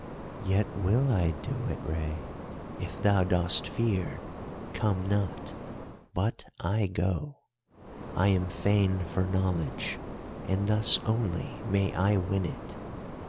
"'Yet will I do it, Rei. If thou dost fear, come not. But I go. I am fain for knowledge, and thus only may I win it.